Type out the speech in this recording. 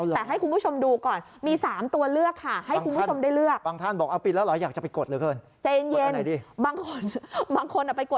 แต่ให้คุณผู้ชมดูก่อนมี๓ตัวเลือกค่ะ